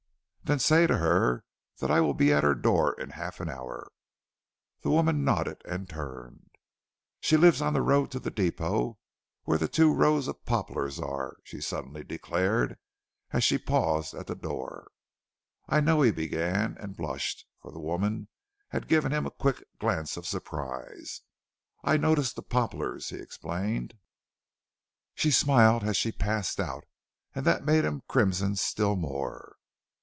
"Then say to her that I will be at her door in half an hour." The woman nodded, and turned. "She lives on the road to the depot, where the two rows of poplars are," she suddenly declared, as she paused at the door. "I know," he began, and blushed, for the woman had given him a quick glance of surprise. "I noticed the poplars," he explained. She smiled as she passed out, and that made him crimson still more.